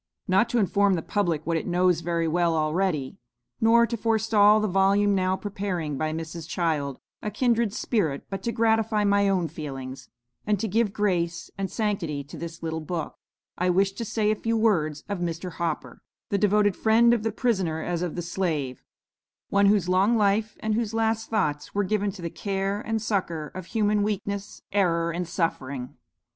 "Not to inform the public what it knows very well already, nor to forestall the volume now preparing by Mrs. Child, a kindred spirit, but to gratify my own feelings, and to give grace and sanctity to this little book, I wish to say a few words of Mr. Hopper, the devoted friend of the prisoner as of the slave; one whose long life, and whose last thoughts, were given to the care and succor of human weakness, error, and suffering.